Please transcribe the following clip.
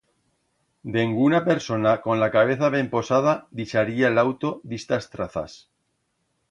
Denguna persona con la cabeza ben posada, dixaría l'auto d'istas trazas.